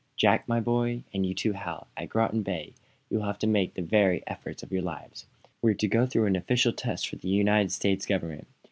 "Jack, my boy, and you, too, Hal, at Groton Bay you will have to make the very efforts of your lives. We're to go through an official test for the United States Government.